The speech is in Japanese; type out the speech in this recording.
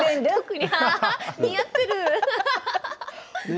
似合ってる。